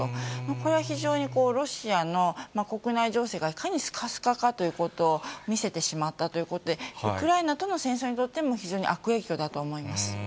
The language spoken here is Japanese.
これは非常にロシアの国内情勢がいかにすかすかかということを見せてしまったということで、ウクライナとの戦争にとっても非常に悪影響だと思います。